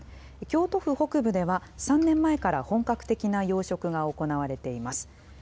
京都府北部では、３年前から本格的な養殖が行われています。